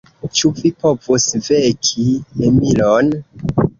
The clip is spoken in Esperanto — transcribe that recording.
Ĉu vi povus veki Emilon?